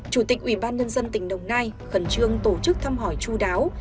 một chủ tịch ubnd tỉnh đồng nai khẩn trương tổ chức thăm hỏi chú đáo